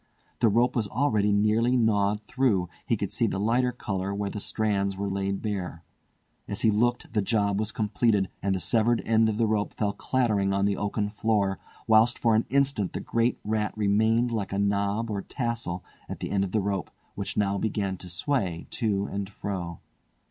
The rope was already nearly gnawed through—he could see the lighter colour where the strands were laid bare. As he looked the job was completed, and the severed end of the rope fell clattering on the oaken floor, whilst for an instant the great rat remained like a knob or tassel at the end of the rope, which now began to sway to and fro.